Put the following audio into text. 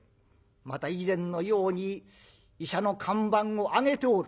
また以前のように医者の看板をあげておる。